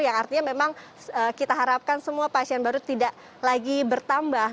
yang artinya memang kita harapkan semua pasien baru tidak lagi bertambah